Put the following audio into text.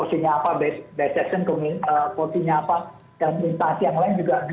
saya rasa itu adalah suatu peringkat yang sangat mendukung